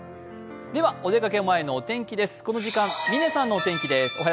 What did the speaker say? お出かけ前のお天気です。